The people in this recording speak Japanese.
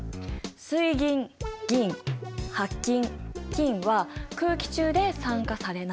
水銀銀白金金は空気中で酸化されない。